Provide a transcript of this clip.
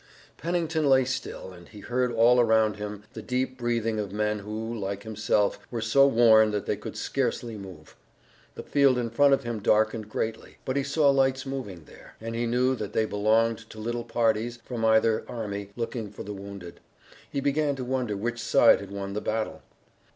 Pennington lay still, and he heard all around him the deep breathing of men who, like himself, were so worn that they could scarcely move. The field in front of him darkened greatly, but he saw lights moving there, and he knew that they belonged to little parties from either army looking for the wounded. He began to wonder which side had won the battle.